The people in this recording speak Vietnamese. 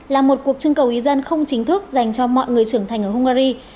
là một cuộc trưng cầu ý dân không chính thức dành cho mọi người trưởng thành ở hungary